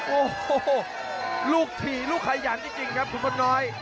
โอ้โหลูกถี่ลูกขยันจริงครับขุนพลน้อย